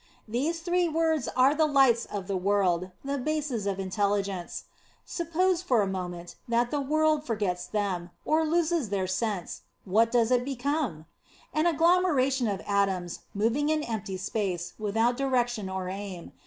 These three words are the lights of the world, the bases of intelli o gence; suppose, for a moment, that the world forgets them, or loses their sense, what does it become? An agglomeration of atoms, moving in empty space, without direction or aim.